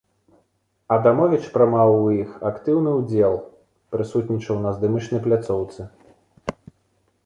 Адамовіч прымаў у іх актыўны ўдзел, прысутнічаў на здымачнай пляцоўцы.